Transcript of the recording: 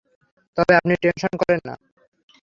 তবে আপনি টেনশন করেন না।